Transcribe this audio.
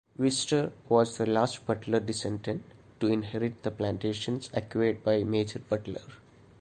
Wister was the last Butler descendant to inherit the plantations acquired by Major Butler.